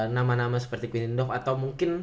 nama nama seperti quintin doff atau mungkin